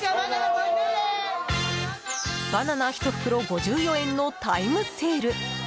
バナナ１袋５４円のタイムセール。